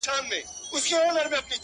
پسله كلونه چي جانان تـه ورځـي!!